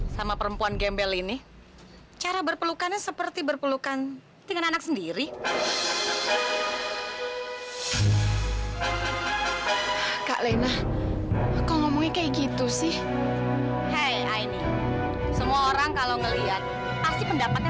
sampai jumpa di video selanjutnya